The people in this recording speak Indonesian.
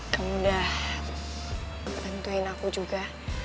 kamu udah bantuin aku juga